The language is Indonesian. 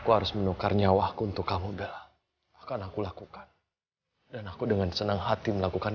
nicholas menukar nyawa untuk abdallah akan kulakukan dan aku dengan senang hati melakukan